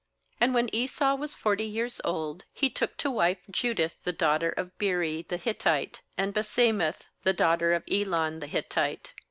^And when Esau was forty years old, he took to wife Judith the daughter of Beeri the Hittite, and Basemath the daughter of Elon the Hittite.